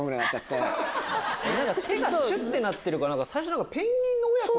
手がシュってなってるから。